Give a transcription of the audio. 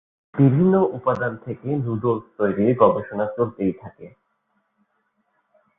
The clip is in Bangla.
বিভিন্ন উপাদান থেকে নুডলস তৈরির গবেষণা চলতেই থাকে।